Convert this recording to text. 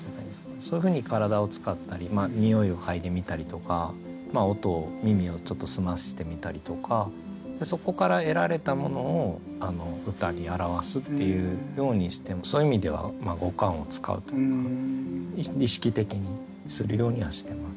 そういうふうに体を使ったりにおいを嗅いでみたりとか音を耳をちょっと澄ましてみたりとかそこから得られたものを歌に表すっていうようにしてそういう意味では五感を使うというか意識的にするようにはしてます。